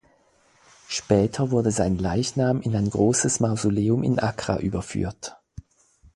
Später wurde sein Leichnam in ein großes Mausoleum in Accra überführt.